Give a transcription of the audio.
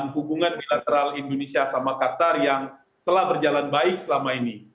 hubungan bilateral indonesia sama qatar yang telah berjalan baik selama ini